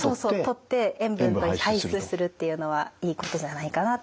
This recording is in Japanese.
とって塩分を排出するっていうのはいいことじゃないかなと。